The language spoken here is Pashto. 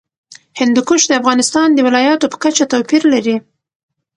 هندوکش د افغانستان د ولایاتو په کچه توپیر لري.